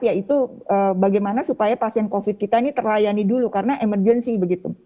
yaitu bagaimana supaya pasien covid kita ini terlayani dulu karena emergency begitu